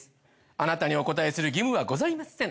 あなたにお答えする義務はございません。